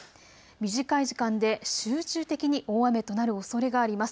短い時間で集中的に大雨となるおそれがあります。